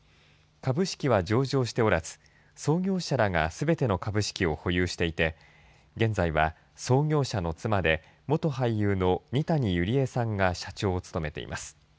株式は上場しておらず創業者らがすべての株式を保有していて現在は創業者の妻で元俳優の二谷友里恵さんが社長を務めています。